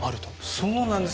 そうなんです。